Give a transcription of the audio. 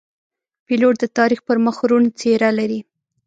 پیلوټ د تاریخ پر مخ روڼ څېره لري.